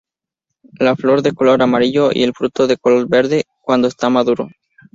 La flor de color amarillo y el fruto de color verde cuando está maduro.